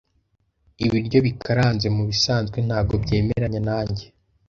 Ibiryo bikaranze mubisanzwe ntabwo byemeranya nanjye.